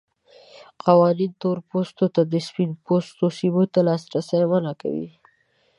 قوانین تور پوستو ته د سپین پوستو سیمو ته لاسرسی منع کوي.